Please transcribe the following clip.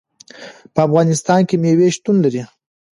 په افغانستان کې مېوې شتون لري.